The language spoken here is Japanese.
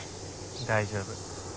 大丈夫。